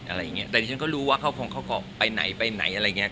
อะไรอย่างเงี้แต่ดิฉันก็รู้ว่าเขาคงเขาก็ไปไหนไปไหนอะไรอย่างเงี้